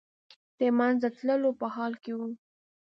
د منځه تللو په حال کې و.